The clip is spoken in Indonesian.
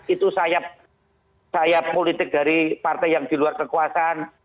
itu saya politik dari partai yang di luar kekuasaan